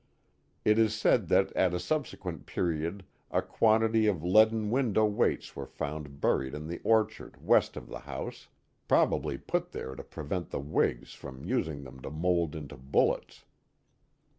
It is said that at a subsequent period a quantity of leaden window weights were found buried in the orchard west of the house^ probably put there to prevent the Whigs from using them to mould into bullets.